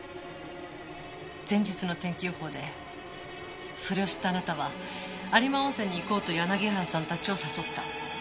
前日の天気予報でそれを知ったあなたは有馬温泉に行こうと柳原さんたちを誘った。